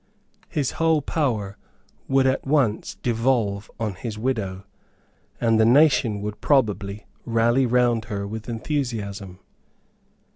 His whole power would at once devolve on his widow; and the nation would probably rally round her with enthusiasm.